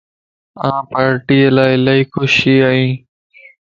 آن پار ٽيءَ لا الائي خوشي ائين